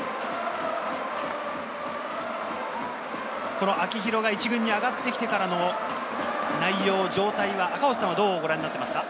この秋広が１軍に上がってきてからの内容・状態はどうご覧になっていますか？